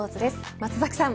松崎さん